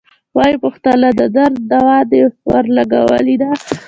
ويې پوښتله د درد دوا دې ورلګولې ده.